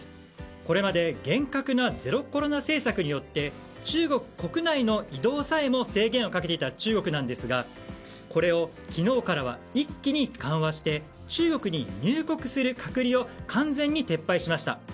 これまで、厳格なゼロコロナ政策によって中国国内の移動さえも制限をかけていた中国なんですがこれを昨日からは一気に緩和して中国に入国する隔離を完全に撤廃しました。